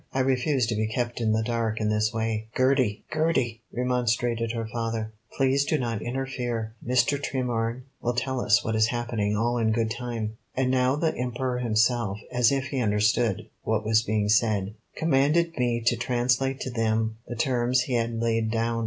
I refuse to be kept in the dark in this way." "Gertie, Gertie!" remonstrated her father. "Please do not interfere. Mr. Tremorne will tell us what is happening all in good time." And now the Emperor himself, as if he understood what was being said, commanded me to translate to them the terms he had laid down.